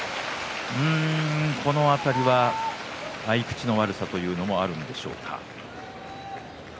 この辺りは合い口の悪さというのもあるんでしょうか。